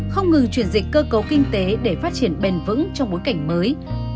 không ngừng chuyển dịch cơ cấu kinh tế để phát triển bền vững trong bối cảnh mới